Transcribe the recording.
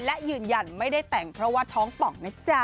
และยืนยันไม่ได้แต่งเพราะว่าท้องป่องนะจ๊ะ